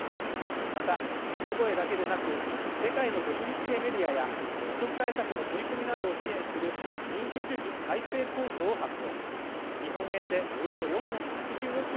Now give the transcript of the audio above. また掛け声だけでなく世界の独立系メディアや汚職対策の取り組みなどを支援する民主主義再生構想を発表